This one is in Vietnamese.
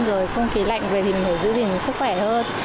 rồi không khí lạnh về thì mình phải giữ gìn sức khỏe hơn